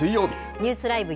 ニュースＬＩＶＥ！